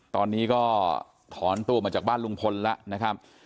ตอนนี้ก็ถอนตัวมาจากบ้านลุงพลแล้วนะครับ